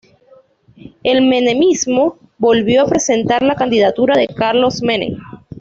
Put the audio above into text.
El menemismo, volvió a presentar la candidatura de Carlos Menem.